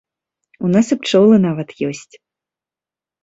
У нас і пчолы нават ёсць.